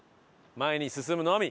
前に進むのみ！